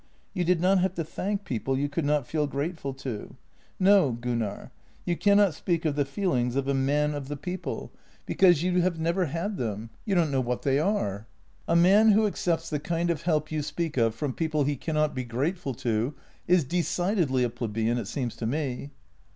You did not have to thank people you could not feel grateful to. No, Gun nar, you cannot speak of the feelings of a man of the people, JENNY 72 because you have never had them — you don't know what they are." " A man who accepts the kind of help you speak of from people he cannot be grateful to is decidedly a plebeian, it seems to me."